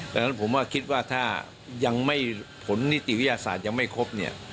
แทนอนผมว่าคิดว่าถ้าผลนิติวิทยาศาสตร์ยังไม่ควบเนี่ย